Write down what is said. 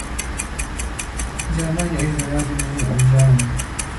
Germania is the Latin name for Germany.